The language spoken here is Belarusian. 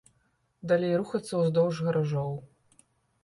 Далей рухацца ўздоўж гаражоў.